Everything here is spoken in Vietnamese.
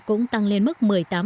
cũng tăng lên mức một mươi tám